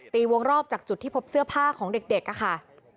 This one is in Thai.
วงรอบจากจุดที่พบเสื้อผ้าของเด็กค่ะ